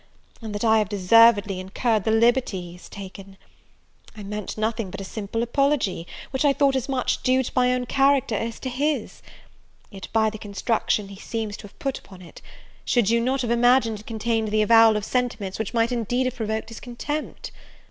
and that I have deservedly incurred the liberty he has taken? I meant nothing but a simple apology, which I thought as much due to my own character as to his; yet by the construction he seems to have put upon it, should you not have imagined it contained the avowal of sentiments which might indeed have provoked his contempt?